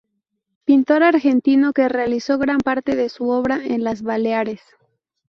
Pintor argentino que realizó gran parte de su obra en las Baleares.